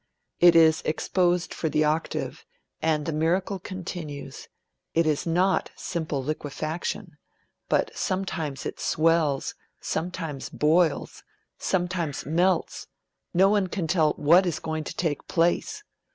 It is exposed for the Octave, and the miracle continues it is not simple liquefaction, but sometimes it swells, sometimes boils, sometimes melts no one can tell what is going to take place.